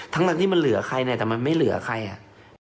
ทั้งที่มันเหลือใครเนี่ยแต่มันไม่เหลือใครอ่ะ